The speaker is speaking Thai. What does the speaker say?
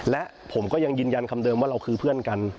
และผมก็ยังยืนยันคำเดิมว่าเราคือเพื่อนกัน